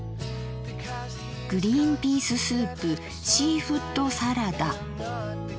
「グリンピーススープシーフッドサラダ」。